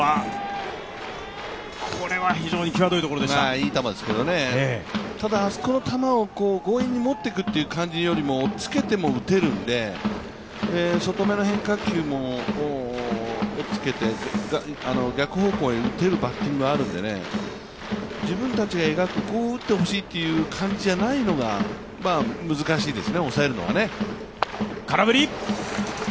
いい球ですけれども、あそこの球を強引に持っていくという感じよりも、おっつけても打てるんで、外目の変化球もおっつけて逆方向へ打てるバッティングもあるんでね、自分たちが描く、こう打ってほしいという感じじゃないのが、難しいですね、抑えるのが。